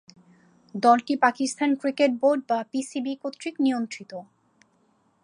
দলটি Pakistan cricket board বা PCB কর্তৃক নিয়ন্ত্রিত।